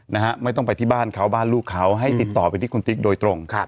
นะฮะไม่ต้องไปที่บ้านเขาบ้านลูกเขาให้ติดต่อไปที่คุณติ๊กโดยตรงครับ